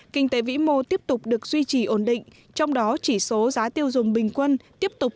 kinh tế vĩ mô tiếp tục được duy trì ổn định trong đó chỉ số giá tiêu dùng bình quân tiếp tục